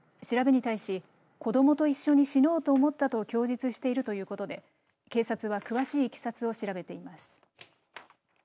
調べに対し、子どもと一緒に死のうと思ったと供述しているということで警察は、詳しいいきさつを調べています。